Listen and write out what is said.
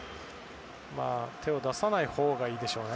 手を出さないほうがいいでしょうね。